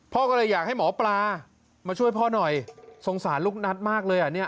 พ่อก็เลยอยากให้หมอปลามาช่วยพ่อหน่อยสงสารลูกนัทมากเลยอ่ะเนี่ย